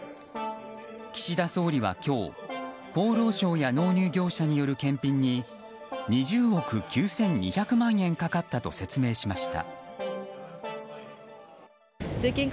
岸田総理は今日、厚労省や納入業者による検品に２０億９２００万円かかったと説明しました。